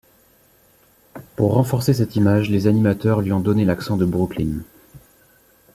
Pour renforcer cette image les animateurs lui ont donné l'accent de Brooklyn.